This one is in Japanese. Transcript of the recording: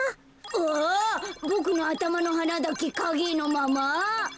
うわボクのあたまのはなだけかげえのまま？